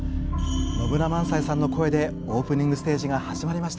野村萬斎さんの声でオープニングステージが始まりました。